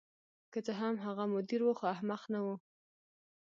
که څه هم هغه مدیر و خو احمق نه و